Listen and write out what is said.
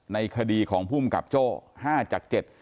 ในคดีของภูมิกับโจ้๕จาก๗